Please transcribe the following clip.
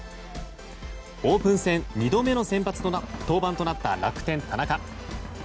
オープン戦２度目の登板となった楽天、田中。